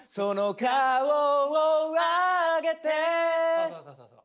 そうそうそうそうそう。